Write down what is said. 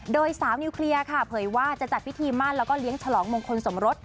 โดยสาวนิวเคลียร์ค่ะเผยว่าจะจัดพิธีมั่นแล้วก็เลี้ยงฉลองมงคลสมรส